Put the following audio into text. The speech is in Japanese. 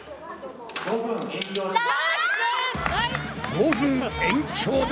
５分延長だ！